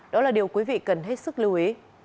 đó là điều quý vị cần hết sức lưu ý